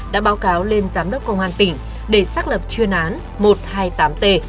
đã báo cáo lên giám đốc công an tỉnh để xác lập chuyên án một trăm hai mươi tám t